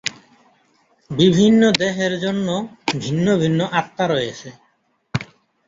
বিভিন্ন দেহের জন্য ভিন্ন ভিন্ন আত্মা রয়েছে।